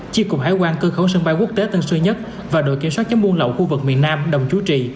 chi cục hải quan cơ khẩu sân bay quốc tế tân sư nhất và đội kiểm soát chống buôn lậu khu vực miền nam đồng chú trì